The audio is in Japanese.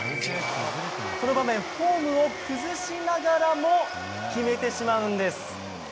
この場面フォームを崩しながらも決めてしまうんです。